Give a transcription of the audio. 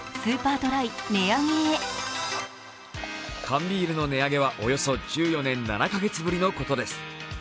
缶ビールの値上げはおよそ１４年７カ月ぶりのことです。